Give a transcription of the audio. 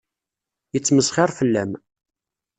Yettmesxiṛ fell-am.